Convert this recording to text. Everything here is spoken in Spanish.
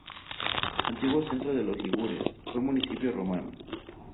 Antiguo centro de los Ligures, fue municipio romano.